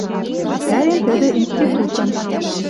Пӹтӓрен тӹдӹ институтым